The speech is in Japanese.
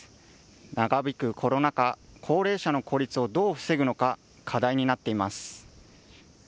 長引くコロナ禍、高齢者の孤立をどう防ぐのか、課題になっています。